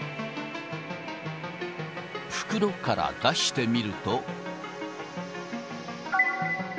袋から出してみると。